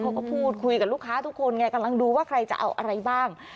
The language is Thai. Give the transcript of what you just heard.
เขาก็พูดคุยกับลูกค้าทุกคนไงกำลังดูว่าใครจะเอาอะไรบ้าง